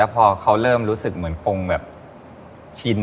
พอเขาเริ่มรู้สึกเหมือนคงแบบชิน